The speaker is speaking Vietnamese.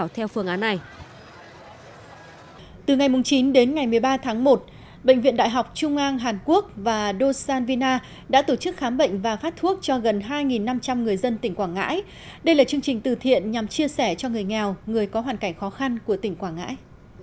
từ ngày chín đến ngày một mươi ba tháng một bệnh viện đại học trung an hàn quốc và do san vina đã tổ chức khám bệnh và phát thuốc cho gần hai năm trăm linh người dân tỉnh quảng ngãi đây là chương trình từ thiện nhằm chia sẻ cho người nghèo người có hoàn cảnh khó khăn của tỉnh quảng ngãi